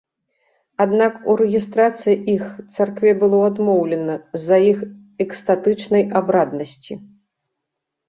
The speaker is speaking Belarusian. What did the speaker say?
Аднак у рэгістрацыі іх царкве было адмоўлена з-за іх экстатычнай абраднасці.